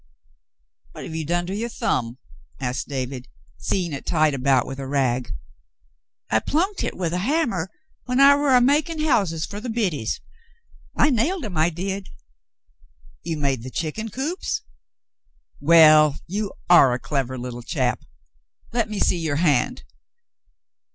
"What have you done to your thumb ?" asked David, seeing it tied about with a rag. "I plunked hit with the hammer when I war a makin' houses fer the biddies. I nailed 'em, I did." "You made the chicken coops ? Well, you are a clever little chap. Let me see your hand."